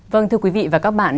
vâng thưa quý vị và các bạn